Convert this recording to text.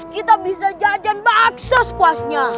kita bisa jajan bakso sepuasnya